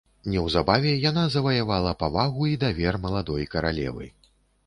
Неўзабаве яна заваявала павагу і давер маладой каралевы.